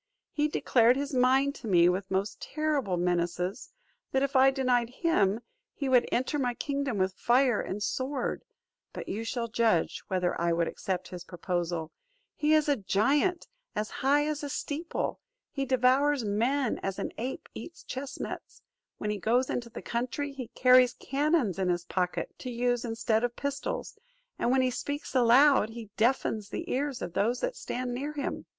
He declared his mind to me, with most terrible menaces, that if I denied him, he would enter my kingdom with fire and sword; but you shall judge whether I would accept his proposal: he is a giant, as high as a steeple; he devours men as an ape eats chestnuts; when he goes into the country, he carries cannons in his pocket, to use instead of pistols; and when he speaks aloud he deafens the ears of those that stand near him.